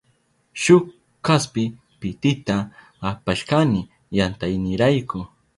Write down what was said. Shuk kaspi pitita apashkani yantaynirayku.